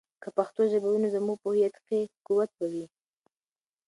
که پښتو ژبه وي، نو زموږ په هویت کې قوت به وي.